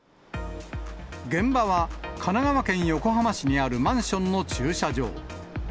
現場は神奈川県横浜市にあるマンションの駐車場。